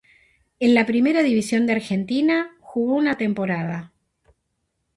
En la Primera División de Argentina jugó una temporada.